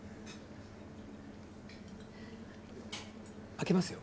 開けますよ。